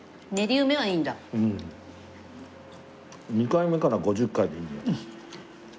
２回目から５０回でいいんだよ。